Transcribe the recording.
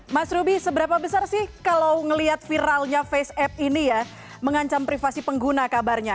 mas ruby seberapa besar sih kalau melihat viralnya face app ini ya mengancam privasi pengguna kabarnya